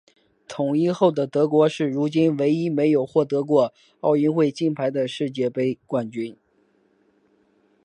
统一后的德国是如今唯一没有获得过奥运会金牌的世界杯冠军。